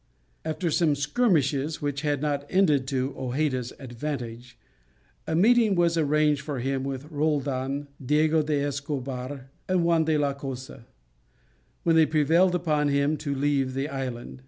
After some skirmishes, which had not ended to Hojeda's advantage, a meeting was arranged for him with Roldan, Diego d'Escobar, and Juan de la Cosa, when they prevailed upon him to leave the island.